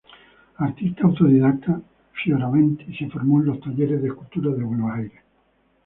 Artista autodidacta, Fioravanti se formó en los talleres de escultura de Buenos Aires.